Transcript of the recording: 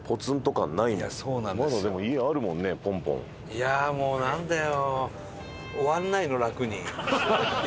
いやもうなんだよ。